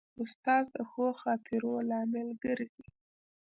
استاد د ښو خاطرو لامل ګرځي.